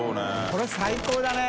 これ最高だね。